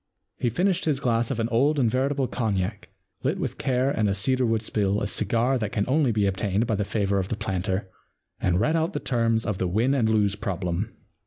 He finished his glass of an old and veritable cognac, lit with care and a cedar wood spill a cigar that can only be obtained by the favour of the planter, and read out the terms of the Win and Lose Problem.